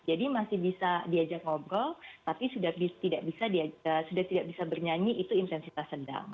jadi masih bisa diajak ngobrol tapi sudah tidak bisa bernyanyi itu intensitas sedang